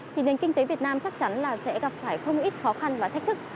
thì nền kinh tế việt nam chắc chắn là sẽ gặp phải không ít khó khăn và thách thức